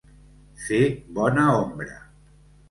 Fer bona ombra.